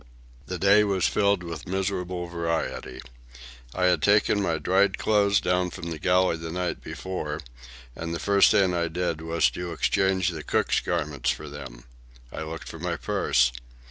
The day was filled with miserable variety. I had taken my dried clothes down from the galley the night before, and the first thing I did was to exchange the cook's garments for them. I looked for my purse.